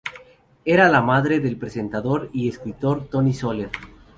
Era la madre del presentador y escritor Toni Soler.